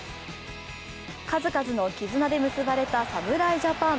数々の絆で結ばれた侍ジャパン。